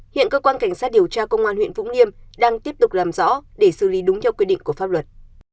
hiện cơ quan cảnh sát điều tra công an huyện vũng liêm đang tiếp tục làm rõ để xử lý đúng theo quy định của pháp luật